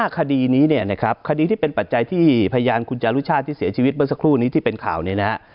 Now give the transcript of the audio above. คดีนี้เนี่ยนะครับคดีที่เป็นปัจจัยที่พยานคุณจารุชาติที่เสียชีวิตเมื่อสักครู่นี้ที่เป็นข่าวนี้นะฮะ